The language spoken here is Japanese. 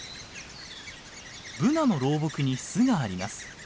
ブナの老木に巣があります。